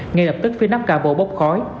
ngay lập tức phía nắp capo bốc khói